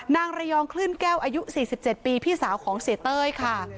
นางระยองคลื่นแก้วอายุ๔๗ปีพี่สาวของเสียเต้ยค่ะ